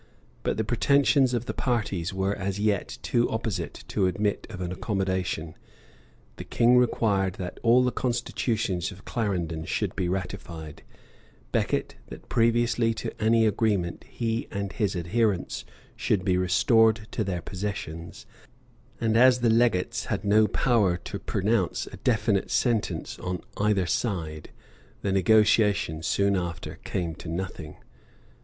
But the pretensions of the parties were as yet too opposite to admit of an accommodation: the king required that all the constitutions of Clarendon should be ratified; Becket, that previously to any agreement, he and his adherents should be restored to their possessions; and as the legates had no power to pronounce a definite sentence on either side, the negotiation soon after came to nothing.